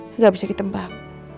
nggak bisa ditembak